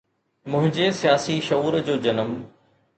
منهنجي سياسي شعور جو جنم